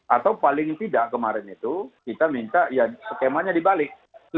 atau paling tidak kemarin itu kita minta ya skemanya dibalik